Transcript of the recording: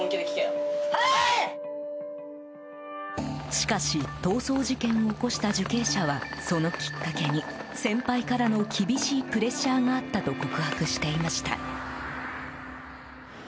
しかし逃走事件を起こした受刑者はそのきっかけに、先輩からの厳しいプレッシャーがあったと告白していました。